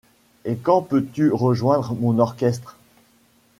Et quand peux-tu rejoindre mon orchestre?